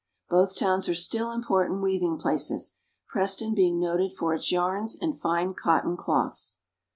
Both towns are still important weaving places, Preston being noted for its yarns and fine cotton cloths.